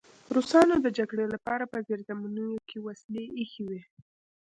روسانو د جګړې لپاره په زیرزمینیو کې وسلې ایښې وې